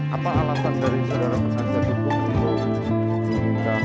apa alasan dari saudara penonton untuk mencabar